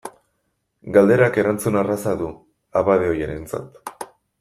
Galderak erantzun erraza du abade ohiarentzat.